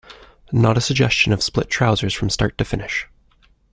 Not a suggestion of split trousers from start to finish.